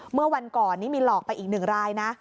เมื่อวันก่อนนี้มีหลอกไปอีกหนึ่งรายนะ